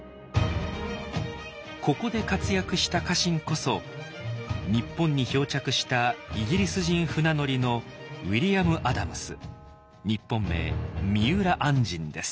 ここで活躍した家臣こそ日本に漂着したイギリス人船乗りの日本名三浦按針です。